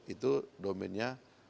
itu domennya perda